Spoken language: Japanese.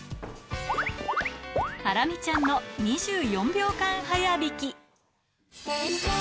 ハラミちゃんの２４秒間速弾き。